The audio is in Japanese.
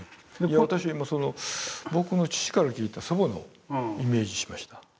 私今僕の父から聞いた祖母のイメージしました。